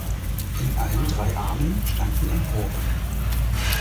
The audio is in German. In allen drei Armen standen Emporen.